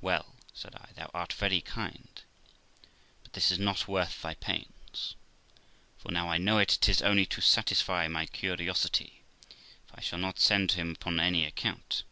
'Well', said I, 'thou art very kind, but this is not worth thy pains ; for now I know it, 'tis only to satisfy my curiosity; for I shall not send to him upon any account.'